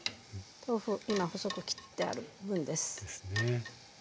豆腐を今細く切ってある分です。